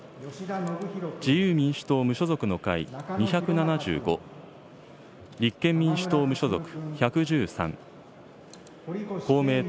自由民主党・無所属の会２７５、立憲民主党・無所属１１３、公明党